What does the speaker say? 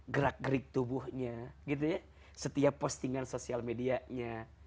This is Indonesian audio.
gerak gerik tubuhnya gitu ya setiap postingan sosial medianya